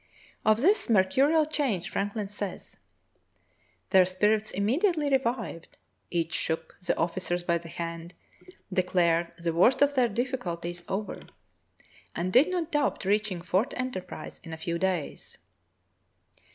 Of this mercurial change Franklin says: "Their spirits im mediately revived, each shook the officers by the hand, declared the worst of their difficulties over, 34 True Tales of Arctic Heroism and did not doubt reaching Fort Enterprise in a few da)^s."